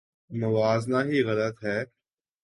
موازنہ ہی غلط ہے۔